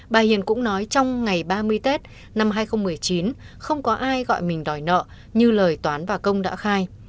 bà hiền cũng nói trong ngày ba mươi tết năm hai nghìn một mươi chín không có ai gọi mình đòi nợ như lời toán và công đã khai